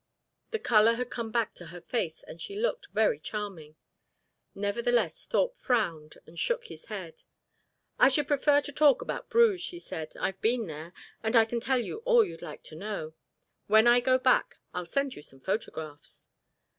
The colour had come back to her face, and she looked very charming. Nevertheless Thorpe frowned and shook his head. "I should prefer to talk about Bruges," he said. "I've been there, and can tell you all you'd like to know. When I go back, I'll send you some photographs."